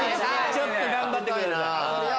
ちょっと頑張ってください。